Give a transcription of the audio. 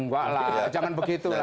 wala jangan begitu